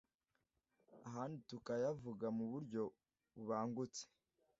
ahandi tukayavuga mu buryo bubangutse.